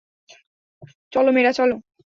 চলো, মেয়েরা, চলো।